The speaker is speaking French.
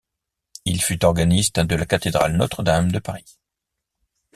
Il fut organiste de la Cathédrale Notre-Dame de Paris.